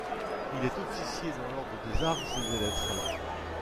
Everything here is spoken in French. Il est Officier dans l'Ordre des Arts et des Lettres.